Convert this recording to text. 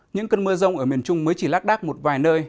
những cơn mưa rông ở miền trung mới chỉ lát đát một vài nơi